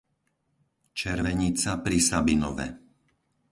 Červenica pri Sabinove